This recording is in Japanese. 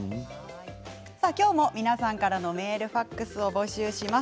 今日も皆さんからのメール、ファックスを募集します。